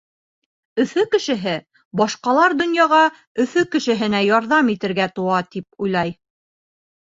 Өфө кешеһе башҡалар донъяға Өфө кешеһенә ярҙам итергә тыуа, тип уйлай.